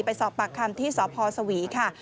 ไปสอบปากคำที่สพสวีค่ะ